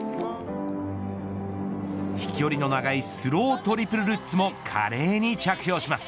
飛距離の長いスロートリプルルッツも華麗に着氷します。